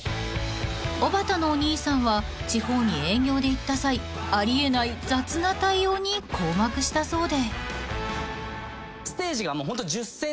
［おばたのお兄さんは地方に営業で行った際あり得ない雑な対応に困惑したそうで］